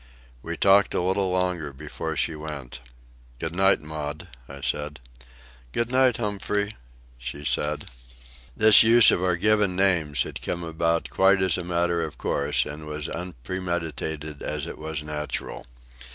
We talked a little longer before she went. "Good night, Maud," I said. "Good night, Humphrey," she said. This use of our given names had come about quite as a matter of course, and was as unpremeditated as it was natural.